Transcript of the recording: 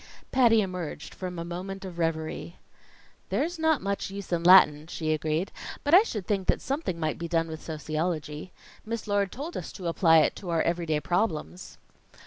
Patty emerged from a moment of revery. "There's not much use in Latin," she agreed, "but I should think that something might be done with sociology. Miss Lord told us to apply it to our everyday problems."